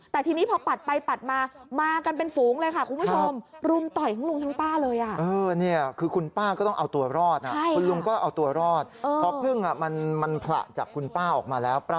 แต่ทีนี้พอปัดไปปัดมามากันเป็นฝูงเลยค่ะคุณผู้ชม